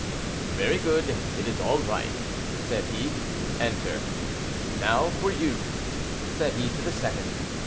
"Very good; it is all right," said he, "enter. Now for you," said he to the second.